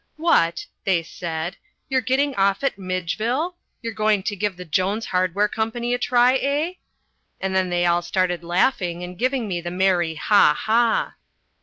"What," they said, "you're getting off at Midgeville? You're going to give the Jones Hardware Company a try, eh?" and then they all started laughing and giving me the merry ha! ha!